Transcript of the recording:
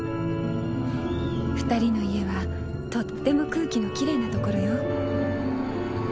２人の家はとっても空気のきれいなところよ。